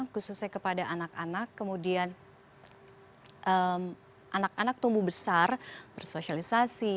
khususnya kepada anak anak kemudian anak anak tumbuh besar bersosialisasi